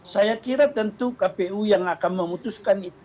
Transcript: saya kira tentu kpu yang akan memutuskan itu